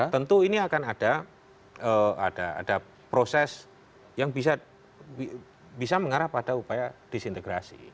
tentu ini akan ada proses yang bisa mengarah pada upaya disintegrasi